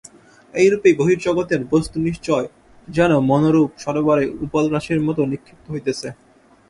এইরূপেই বহির্জগতের বস্তুনিচয় যেন মন-রূপ সরোবরে উপলরাশির মত নিক্ষিপ্ত হইতেছে।